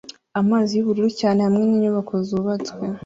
Amazi yubururu cyane hamwe ninyubako zubatswe